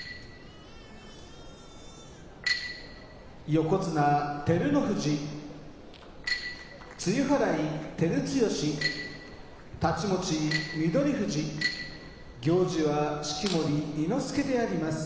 横綱照ノ富士露払い照強太刀持ち翠富士行司は式守伊之助であります。